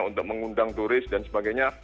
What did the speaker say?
untuk mengundang turis dan sebagainya